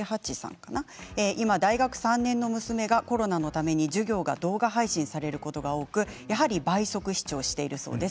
今、大学３年の娘がコロナのために授業が動画配信されることが多くて倍速視聴しているそうです。